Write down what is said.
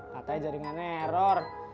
katanya jaringannya error